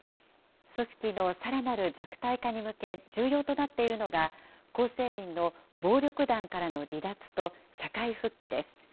組織のさらなる弱体化に向け、重要となっているのが、構成員の暴力団からの離脱と社会復帰です。